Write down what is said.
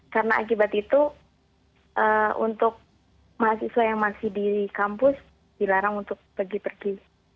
karena akibat itu untuk mahasiswa yang masih di kampus dilarang untuk pergi pergi